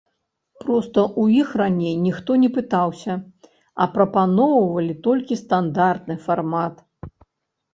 Проста ў іх раней ніхто не пытаўся, а прапаноўвалі толькі стандартны фармат.